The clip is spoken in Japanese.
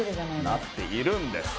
なっているんです。